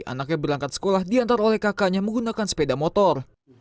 anaknya berangkat sekolah diantar oleh kakaknya menggunakan sepeda motor